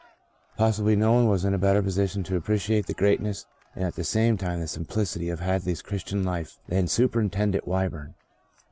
Possibly no one was in a better position to appreciate the greatness and at the same time the simplicity of Hadley's Christian life than Superintendent Wyburn.